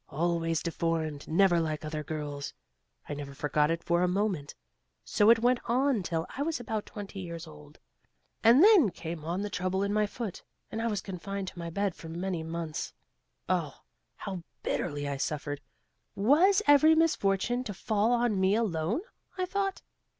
'Always deformed, never like other girls,' I never forgot it for a moment. So it went on till I was about twenty years old, and then came on the trouble in my foot, and I was confined to my bed for many months. Oh! how bitterly I suffered! Was every misfortune to fall on me alone?' I thought.